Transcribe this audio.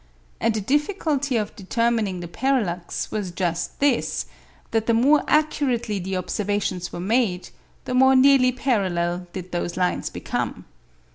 And the difficulty of determining the parallax was just this, that the more accurately the observations were made, the more nearly parallel did those lines become.